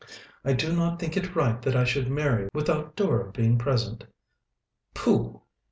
"I do not think it right that I should marry without Dora being present." "Pooh!